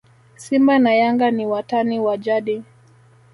simba na yanga ni watani wa jadi